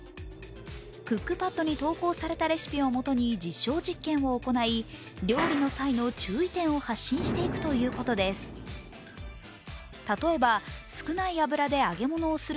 クックパッドに投稿されたレシピをもとに実証実験を行い、料理の際の注意点を発信していくということです。